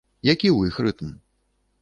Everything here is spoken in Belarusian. Які ў іх рытм?